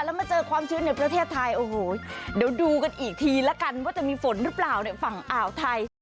แล้วมาเจอความชื้นในประเทศไทยโอ้โหเดี๋ยวดูกันอีกทีแล้วกันว่าจะมีฝนหรือเปล่าในฝั่งอ่าวไทย